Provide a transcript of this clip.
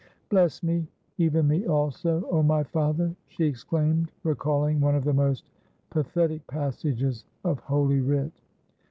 '" Bless me, even me also, O my father !"' she exclaimed, recalling one of the most pathetic passages of Holy Writ.